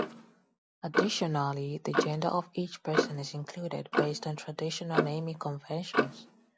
Additionally, the gender of each person is included based on traditional naming conventions.